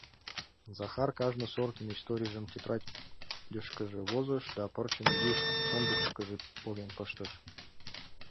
Захар кажне сортын историйжым тетрадьышкыже возыш да пырчым изи шондыкышкыжо поген пыштыш.